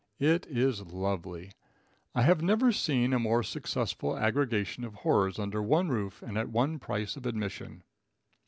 It is lovely. I have never seen a more successful aggregation of horrors under one roof and at one price of admission.